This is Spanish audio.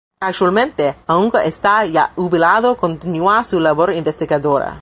Actualmente, aunque está ya jubilado, continúa su labor investigadora.